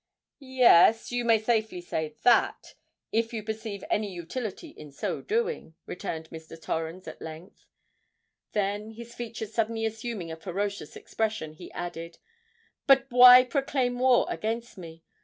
"Yes—you may safely say that, if you perceive any utility in so doing," returned Mr. Torrens at length: then, his features suddenly assuming a ferocious expression, he added, "But why proclaim war against me!